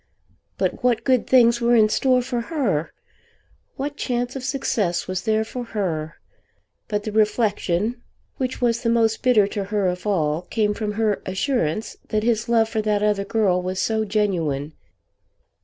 But what good things were in store for her? What chance of success was there for her? But the reflection which was the most bitter to her of all came from her assurance that his love for that other girl was so genuine.